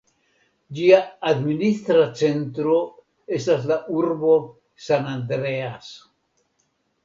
Ĝia administra centro estas la urbo San Andreas.